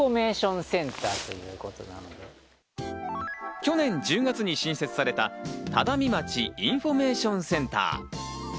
去年１０月に新設された只見町インフォメーションセンター。